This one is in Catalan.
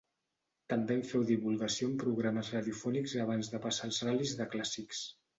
També en féu divulgació en programes radiofònics abans de passar als ral·lis de clàssics.